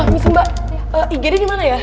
miss mbak ig dia dimana ya